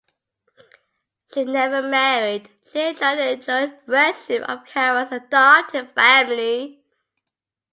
She never married: she enjoyed the enduring friendship of Coward's adopted "family".